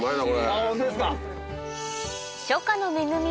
あホントですか！